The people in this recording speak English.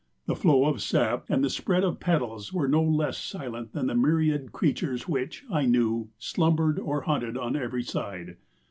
The flow of sap and the spread of petals were no less silent than the myriad creatures which, I knew, slumbered or hunted on every side.